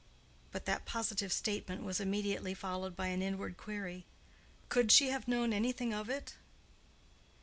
But that positive statement was immediately followed by an inward query—"Could she have known anything of it?"